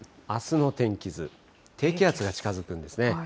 あすの天気図、低気圧が近づくんですね。